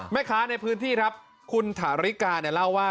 แม่ค้าในพื้นที่ครับคุณถาริกาเนี่ยเล่าว่า